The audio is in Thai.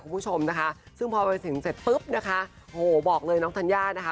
คุณผู้ชมนะคะซึ่งพอไปถึงเสร็จปุ๊บนะคะโหบอกเลยน้องธัญญานะคะ